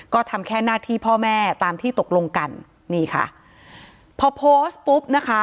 ก็ทำแค่หน้าที่พ่อแม่ตามที่ตกลงกันนี่ค่ะพอโพสต์ปุ๊บนะคะ